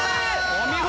お見事！